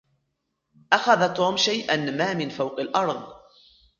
أخذ توم شيئا ما من فوق الأرض.